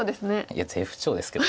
いや絶不調ですけど。